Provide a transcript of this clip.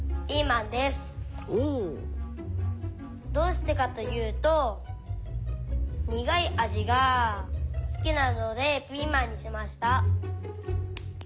おお。どうしてかというとにがいあじがすきなのでピーマンにしました。